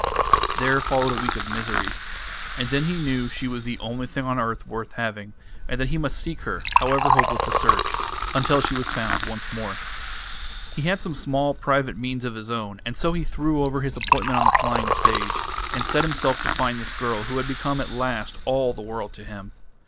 There followed a week of misery. And then he knew she was the only thing on earth worth having, and that he must seek her, however hopeless the search, until she was found once more. He had some small private means of his own, and so he threw over his appointment on the flying stage, and set himself to find this girl who had become at last all the world to him.